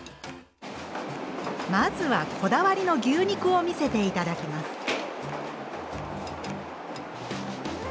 まずはこだわりの牛肉を見せて頂きます。